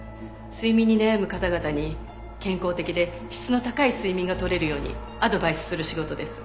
睡眠に悩む方々に健康的で質の高い睡眠がとれるようにアドバイスする仕事です。